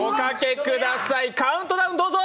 カウントダウン、どうぞ。